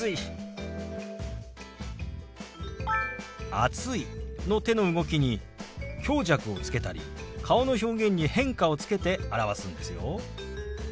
「暑い」の手の動きに強弱をつけたり顔の表現に変化をつけて表すんですよ。